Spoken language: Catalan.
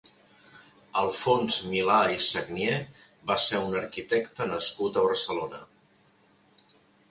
Alfons Milà i Sagnier va ser un arquitecte nascut a Barcelona.